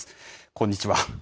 こんにちは。